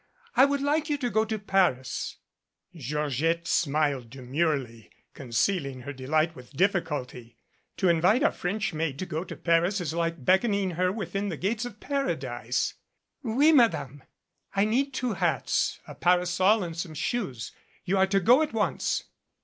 I would like you to go to Paris," Georgette smiled demurely, concealing her delight with difficulty. To invite a French maid to go to Paris is like beckoning her within the gates of Paradise. 168 MANET CICATRIX "Out, Madame." "I need two hats, a parasol and some shoes. You are to go at once."